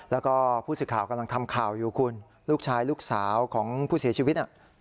แล้วก็ผู้สื่อข่าวกำลังทำข่าวอยู่คุณลูกชายลูกสาวของผู้เสียชีวิตน่ะ